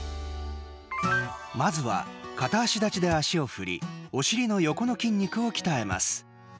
まずは、片足立ちで足を振りお尻の横の筋肉を鍛えます。